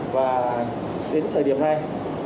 và đến thời điểm này